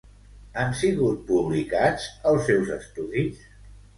Han sigut publicats els seus estudis?